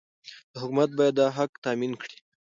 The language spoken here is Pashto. حکومت باید دا حق تامین کړي.